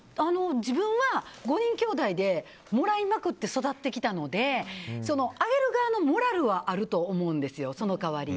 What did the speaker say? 自分は５人きょうだいでもらいまくって育ってきたのであげる側のモラルはあると思うんですよ、その代わり。